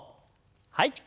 はい。